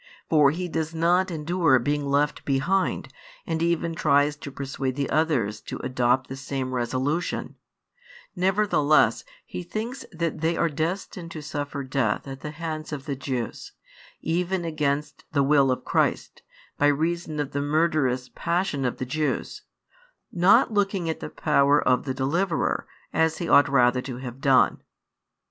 For he does not endure being left behind, and even tries to persuade the others to adopt the same resolution: nevertheless he thinks that they are destined to suffer [death] at the hands of the Jews, even against the will of Christ, by reason of the murderous passion of the Jews; not looking at the power of the Deliverer, as he ought rather to have done.